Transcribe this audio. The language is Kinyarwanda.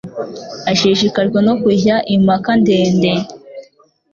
Ashishikajwe no kujya impaka ndende. (__)